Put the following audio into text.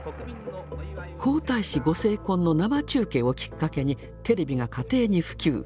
皇太子ご成婚の生中継をきっかけにテレビが家庭に普及。